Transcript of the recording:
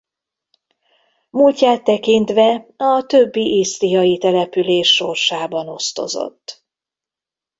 Múltját tekintve a többi isztriai település sorsában osztozott.